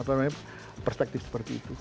apa namanya perspektif seperti itu